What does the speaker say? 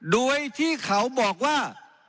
โดยที่เขาบอกว่า